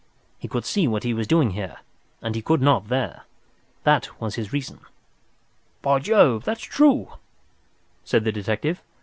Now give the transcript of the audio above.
"He could see what he was doing here, and he could not there. That was his reason." "By Jove! that's true," said the detective.